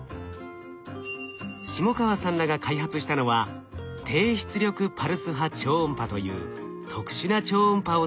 下川さんらが開発したのは低出力パルス波超音波という特殊な超音波を使う治療法。